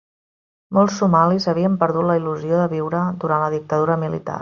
Molts somalis havien perdut la il·lusió de viure durant la dictadura militar.